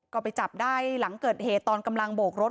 ก็ไปจับได้หลังเกิดเหตุตอนกำลังโบกรถ